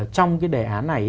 trong cái đề án này